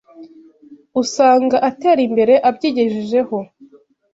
usanga atera imbere abyigejejeho